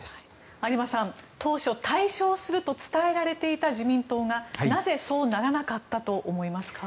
有馬さん、当初大勝すると伝えられていた自民党がなぜそうならなかったと思いますか？